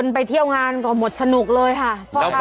ไปเที่ยวงานก็หมดสนุกเลยค่ะพ่อค้า